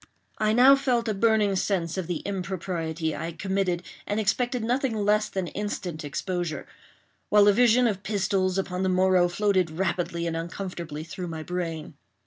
I now felt a burning sense of the impropriety I had committed, and expected nothing less than instant exposure; while a vision of pistols upon the morrow floated rapidly and uncomfortably through my brain.